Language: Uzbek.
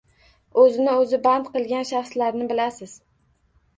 O‘zini o‘zi band qilgan shaxslarni bilasiz.